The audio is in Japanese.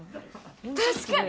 確かに。